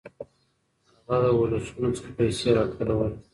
هغه له ولسونو څخه پيسې راټولولې.